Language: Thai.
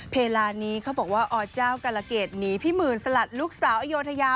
เวลานี้เขาบอกว่าอเจ้ากรเกตหนีพี่หมื่นสลัดลูกสาวอโยธยา